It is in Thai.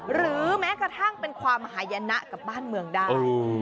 หรือแม้กระทั่งเป็นความหายนะกับบ้านเมืองได้